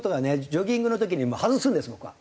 ジョギングの時に外すんです僕は。